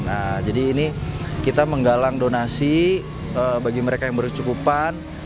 nah jadi ini kita menggalang donasi bagi mereka yang bercukupan